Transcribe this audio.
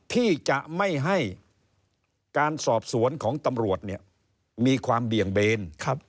ที่จะไม่ให้การสอบสวนของตำรวจเนี่ยมีความเบี่ยงเบน